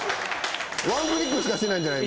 ワンクリックしかしてないんじゃない？